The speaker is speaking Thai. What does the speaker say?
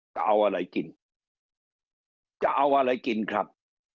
จะเอาอะไรกินจะเอาอะไรกินครับ